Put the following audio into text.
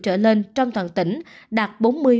trở lên trong toàn tỉnh đạt bốn mươi một mươi tám